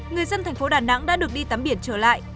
người dân thành phố đà nẵng đã được đi tắm biển trở lại